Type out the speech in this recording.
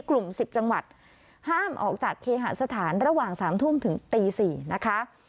กลุ่ม๑๐จังหวัดห้ามออกจากเคหาสถานระหว่าง๓ทุ่มถึงตี๔นะคะ